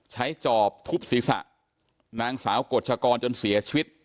จอบทุบศีรษะนางสาวกฎชกรจนเสียชีวิต